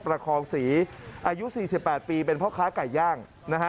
พระนครศรีอายุ๔๘ปีเป็นเพราะค้าไก่ย่าง